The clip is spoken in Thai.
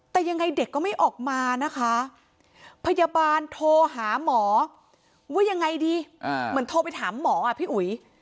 แต่ยังไงเด็กก็ไม่ออกมานะคะพยาบาลโทรหาหมอว่ายังไงดีเหมือนโทรไปถามหมออ่ะพี่อุ๋ย